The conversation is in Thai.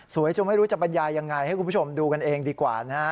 จนไม่รู้จะบรรยายยังไงให้คุณผู้ชมดูกันเองดีกว่านะฮะ